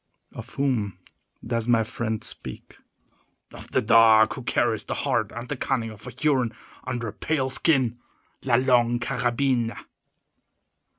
"Of whom does my friend speak?" "Of the dog who carries the heart and cunning of a Huron under a pale skin—La Longue Carabine."